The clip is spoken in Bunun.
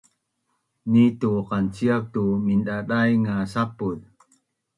Ni tu qanciap tu mindadaing nga sapuz